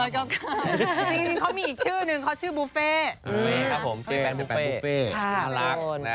จริงเขามีอีกชื่อนึงเขาชื่อบูเฟ่ค่ะพี่หอยข้าอะไรนั่งไง